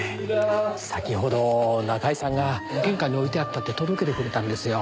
先ほど仲居さんが玄関に置いてあったって届けてくれたんですよ。